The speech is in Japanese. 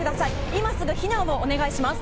今すぐ避難をお願いします。